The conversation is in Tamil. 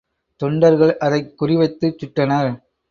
தொண்டர்கள் அதைக் குறிவைத்துச்சுட்டனர்.